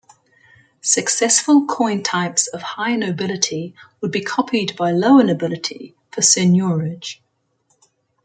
Successful coin types of high nobility would be copied by lower nobility for seigniorage.